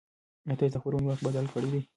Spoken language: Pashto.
ایا تاسي د خپرونې وخت بدل کړی دی؟